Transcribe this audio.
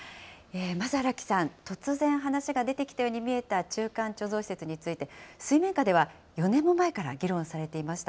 まず荒木さん、突然話が出てきたように見えた中間貯蔵施設について、水面下では４年も前から議論されていました。